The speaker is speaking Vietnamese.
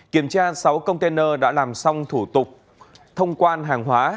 kiểm tra sáu container đã làm xong thủ tục thông quan hàng hóa